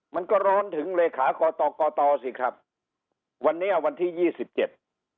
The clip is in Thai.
มันก็ร้อนถึงเลขากอตกอตสิครับวันนี้วันที่ยี่สิบเจ็ด